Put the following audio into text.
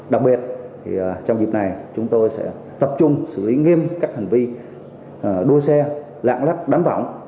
đặc biệt trong dịp này chúng tôi sẽ tập trung xử lý nghiêm các hành vi đua xe lạng lách đánh võng